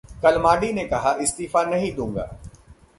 कलमाडी ने कहा, इस्तीफा नहीं दूंगा